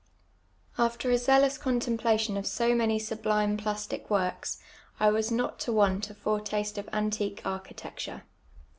After a zealous contemjjlation of so many sublime plastic works. I was not to want a foretaste of antique architecture.